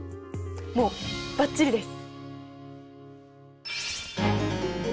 もうバッチリです。